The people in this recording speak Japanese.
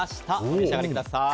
お召し上がりください。